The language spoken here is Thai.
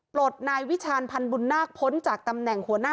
ปลดนายวิชาณพันธ์บุญนาคพ้นจากตำแหน่งหัวหน้า